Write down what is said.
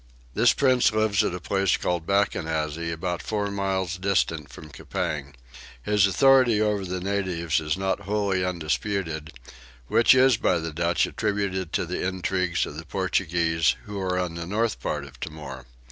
This prince lives at a place called Backennassy, about four miles distant from Coupang. His authority over the natives is not wholly undisputed; which is by the Dutch attributed to the intrigues of the Portuguese, who are on the north part of Timor.